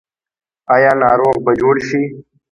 آیا ناروغ به جوړ شي؟